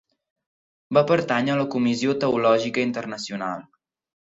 Va pertànyer a la Comissió Teològica Internacional.